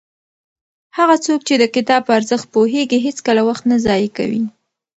هغه څوک چې د کتاب په ارزښت پوهېږي هېڅکله وخت نه ضایع کوي.